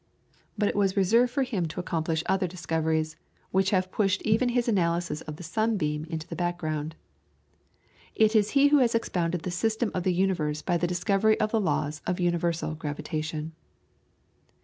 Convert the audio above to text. But it was reserved for him to accomplish other discoveries, which have pushed even his analysis of the sunbeam into the background; it is he who has expounded the system of the universe by the discovery of the law of universal gravitation.